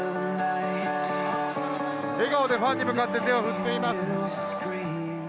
笑顔でファンに向かって手を振っています。